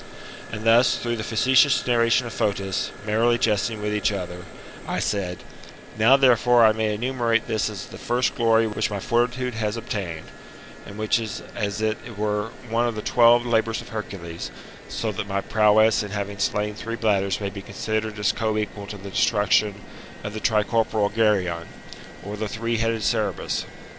And thus, through the facetious narration of Fotis, merrily jesting with each other, I said, Now, therefore, I may enumerate this as the first glory which my fortitude has obtained, and which is as it were one of the twelve labours of Hercules ; so that my prowess in having slain three bladders may be considered as co equal to the destruction of the tricorporal Geryon, or the three headed Cerberus.